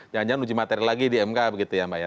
jangan jangan uji materi lagi di mk begitu ya mbak ya